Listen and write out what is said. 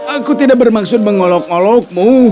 aku tidak bermaksud mengolok ngolokmu